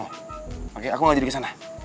oke aku enggak jadi kesana